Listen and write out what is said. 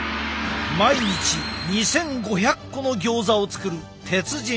毎日２，５００個のギョーザを作る鉄人